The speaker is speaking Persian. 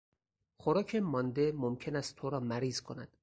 خوراک مانده ممکن است تو را مریض کند.